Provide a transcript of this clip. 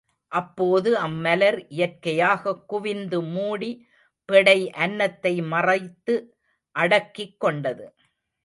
அப்போது அம்மலர் இயற்கையாகக் குவிந்து மூடி பெடை அன்னத்தை மறைத்து அடக்கிக் கொண்டது.